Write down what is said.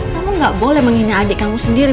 kamu gak boleh menghina adik kamu sendiri